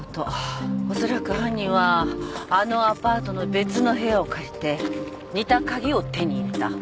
おそらく犯人はあのアパートの別の部屋を借りて似た鍵を手に入れた。